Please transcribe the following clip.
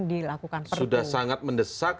dilakukan sudah sangat mendesak